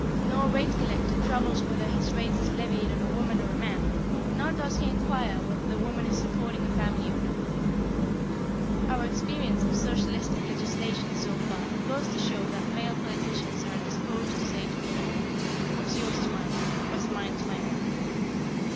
No rate collector troubles whether his rate is levied on a woman or a man; nor does he inquire whether the woman is supporting a family or no. Our experience of socialistic legislation so far goes to show that male politicians are disposed to say to women, "What's yours is mine; what's mine's my own."